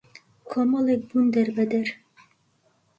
کۆمەڵێک بوون دەربەدەر